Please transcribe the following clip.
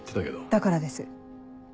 だからです。